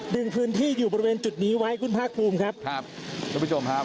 พื้นที่อยู่บริเวณจุดนี้ไว้คุณภาคภูมิครับครับท่านผู้ชมครับ